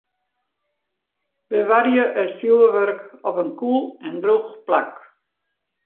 Bewarje it fjurwurk op in koel en drûch plak.